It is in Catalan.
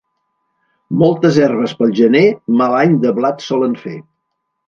Moltes herbes pel gener, mal any de blat solen fer.